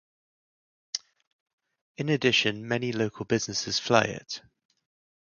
In addition, many local businesses fly it.